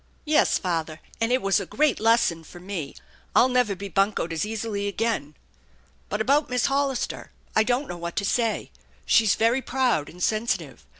Yes, father, and it was a great lesson for me. I'll never be buncoed as easily again. But about Miss Hollister, I don't know what to say. She's very proud and sensitive.